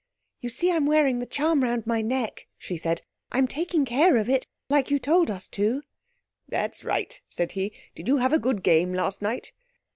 "You see I'm wearing the charm round my neck," she said; "I'm taking care of it—like you told us to." "That's right," said he; "did you have a good game last night?"